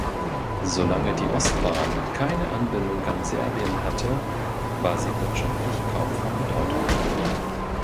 Solange die Ostbahn keine Anbindung an Serbien hatte, war sie wirtschaftlich kaum von Bedeutung.